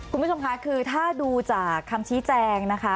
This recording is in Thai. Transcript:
คุณผู้ชมค่ะคือถ้าดูจากคำชี้แจงนะคะ